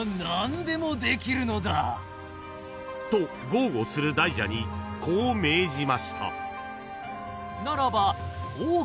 ［と豪語する大蛇にこう命じました］